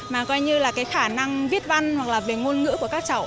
mà coi như là cái khả năng viết văn hoặc là về ngôn ngữ của các cháu